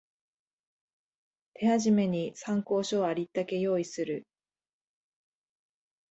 手始めに参考書をありったけ用意する